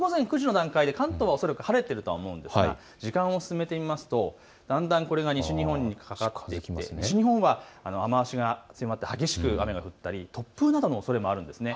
関東、晴れているとは思うんですが時間を進めてみますとだんだんこれが西日本にかかってきて西日本は雨足が強まって激しく降って突風のおそれもあります。